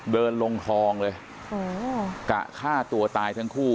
เดินลงคลองเลยกะฆ่าตัวตายทั้งคู่